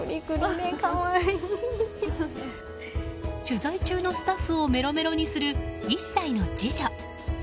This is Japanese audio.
取材中のスタッフをメロメロにする１歳の次女。